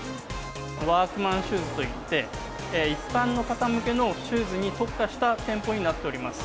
ワークマンシューズといって、一般の方向けのシューズに特化した店舗になっております。